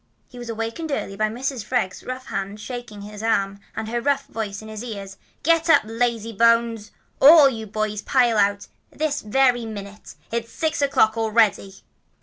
He was awakened early by Mrs. Freg's rough hand shaking him by the arm, and her rough voice in his ears: "Get up, lazy bones! All you boys pile out, this very minute! It's six o'clock already!"